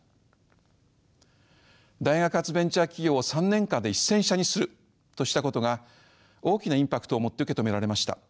大学発ベンチャー企業を３年間で１，０００社にするとしたことが大きなインパクトを持って受け止められました。